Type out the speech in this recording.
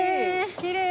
きれい。